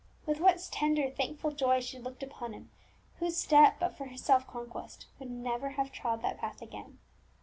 With what tender, thankful joy she looked upon him whose step, but for her self conquest, would never have trod that path again!